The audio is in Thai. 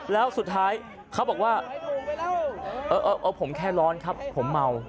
แล้วสุดท้ายเขาบอกว่าผมแค่ร้อนครับผมเมา